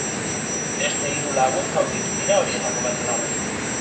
Beste hiru lagun zauritu dira, horietako bat larri.